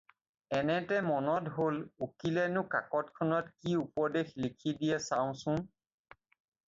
এনেতে মনত হ'ল উকিলেনো কাকতখনত কি উপদেশ লিখি দিছে চাওঁচোন